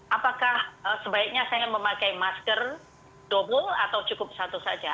apakah sebaiknya saya memakai masker double atau cukup satu saja